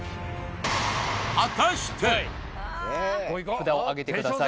札をあげてください